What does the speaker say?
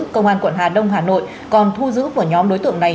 công an quận hà đông hà nội còn thu giữ của nhóm đối tượng này